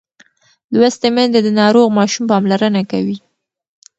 لوستې میندې د ناروغ ماشوم پاملرنه کوي.